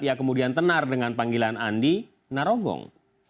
ia kemudian tenar dengan panggilan andi narogong